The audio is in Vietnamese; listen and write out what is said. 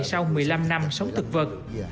sau một mươi năm năm sống thực vật